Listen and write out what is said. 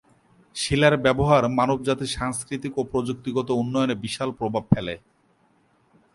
শিলার ব্যবহার মানবজাতির সাংস্কৃতিক ও প্রযুক্তিগত উন্নয়নে বিশাল প্রভাব ফেলে।